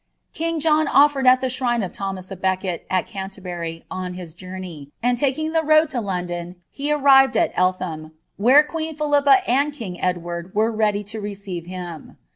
King John o^red at the shrine of Thomas a ecket, at Canterbury, on his journey, and taking the road to London 9 arrived at Eltham, where queen Philippa and king Edward were ready I reeeive him.